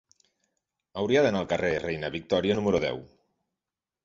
Hauria d'anar al carrer de la Reina Victòria número deu.